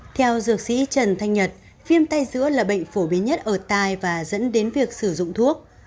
theo dược sĩ trần thanh nhật viêm tay giữa là bệnh phổ biến nhất ở tai và dẫn đến việc sử dụng thuốc